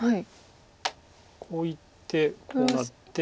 こういってこうなって。